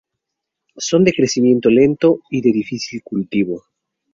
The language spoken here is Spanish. Son de crecimiento lento y de difícil cultivo.